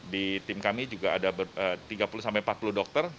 di tim kami juga ada tiga puluh empat puluh dokter